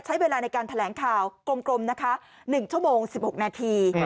ใช้เวลาในการแถลงข่าวกลมนะคะ๑ชั่วโมง๑๖นาที